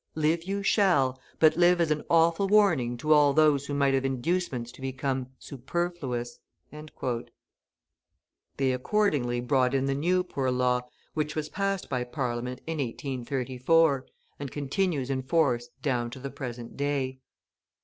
Live you shall, but live as an awful warning to all those who might have inducements to become "superfluous." They accordingly brought in the New Poor Law, which was passed by Parliament in 1834, and continues in force down to the present day.